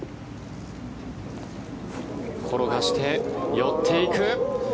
転がして、寄っていく。